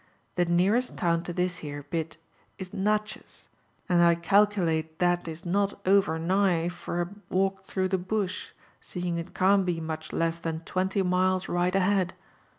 The nearest town to this here bit is Natchez, and I calculate that is not over nigh for a walk through the bush, seeing it can't be much less than twenty miles right a head.